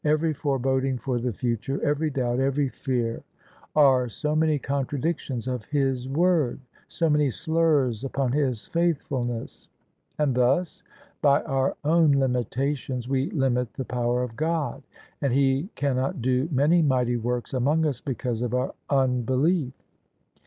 Every foreboding for the future, every doubt, every fear, are so many contradictions of His Word, so many slurs upon His faithfulness. And thus by our own limitations we limit the power of God ; and He cannot do many mighty works among us because of our unbelief.